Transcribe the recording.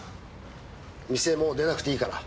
店もう出なくていいから。